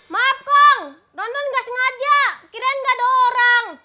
maaf kong ronron gak sengaja kirain gak ada orang